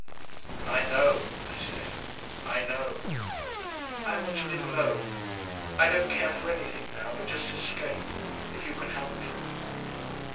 "I know," I said, "I know." "I want to live alone.... I don't care for anything now but just escape. If you can help me...."